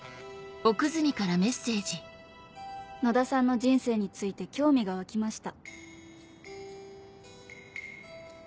「野田さんの人生について興味がわきました」。